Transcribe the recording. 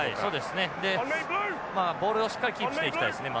まあボールをしっかりキープしていきたいですね